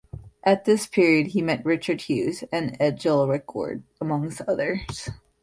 At this period he met Richard Hughes and Edgell Rickword, amongst others.